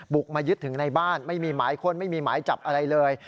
บุกมายึดถึงในบ้านไม่มีหมายค้นไม่มีหมายจับอะไรเลย